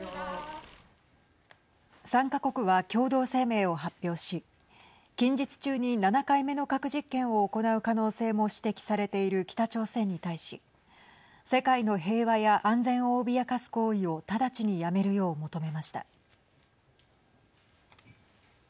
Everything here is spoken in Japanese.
３か国は共同声明を発表し近日中に７回目の核実験を行う可能性も指摘されている北朝鮮に対し世界の平和や安全を脅かす行為を直ちにやめるよう求めました。